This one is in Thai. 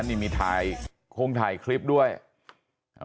อยู่แถวตรงกำแพงนะ